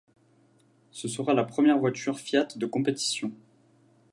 Ce sera la première voiture Fiat de compétition.